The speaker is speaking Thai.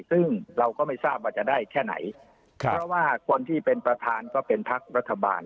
ซึ่งเราก็ไม่ทราบว่าจะได้แค่ไหนเพราะว่าคนที่เป็นประธานก็เป็นพักรัฐบาล